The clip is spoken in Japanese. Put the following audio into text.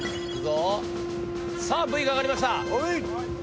さあブイがあがりました